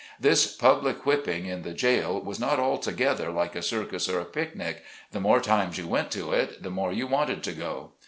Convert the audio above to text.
This public whipping in the jail was not alto gether like a circus or a picnic — the more times you went to it the more you wanted to go.